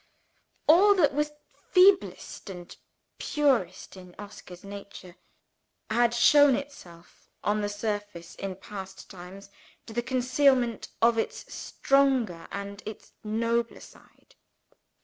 All that was feeblest and poorest in Oscar's nature had shown itself on the surface in past times, to the concealment of its stronger and its nobler side.